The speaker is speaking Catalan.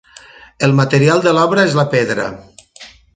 El material de l'obra és la pedra.